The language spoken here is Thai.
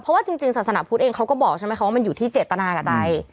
พอสาสนพุทธเขาก็บอกใช่ไหมว่ามันอยู่ที่เจตนากับใจ